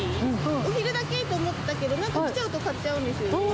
お昼だけと思ったけど、なんか来ちゃうと買っちゃうんですね。